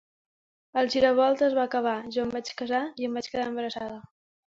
El ‘Giravolt’ es va acabar, jo em vaig casar i em vaig quedar embarassada.